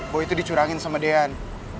boy tuh dicurangin sama dian